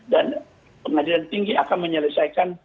dan pengadilan tinggi akan menyelesaikan